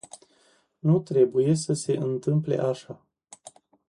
Nu trebuie să se întâmple așa.